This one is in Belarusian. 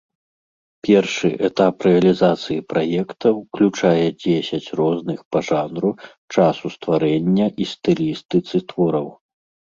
Першы этап рэалізацыі праекта ўключае дзесяць розных па жанру, часу стварэння і стылістыцы твораў.